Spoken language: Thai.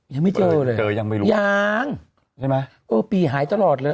ยังไม่เจอเลยเจอยังไม่รู้ยังใช่ไหมเออปีหายตลอดเลย